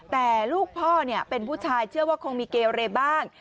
แต่ลูกพ่อเป็นผู้ชายเชื่อว่าคงมีเกเรบ้าง